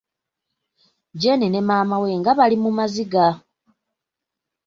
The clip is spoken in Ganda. Jeeni ne maama we nga bali mu maziga.